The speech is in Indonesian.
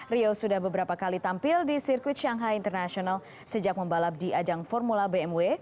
rio sudah beberapa kali tampil di sirkuit shanghai international sejak membalap di ajang formula bmw